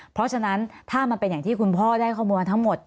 เพราะฉะนั้นถ้ามันเป็นอย่างที่คุณพ่อได้ข้อมูลทั้งหมด